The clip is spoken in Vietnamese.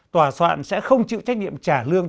tòa soạn sẽ không chịu trách nhiệm trả lương